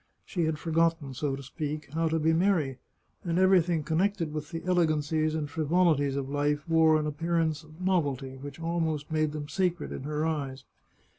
She had forgotten, so to speak, how to be merry, and everything connected with the elegancies and frivolities of life wore an appearance of novelty which almost made them sacred in her eyes.